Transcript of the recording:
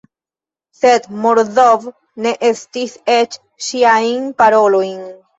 Sed Morozov ne atentis eĉ ŝiajn parolojn.